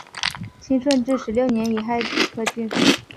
清顺治十六年己亥科进士。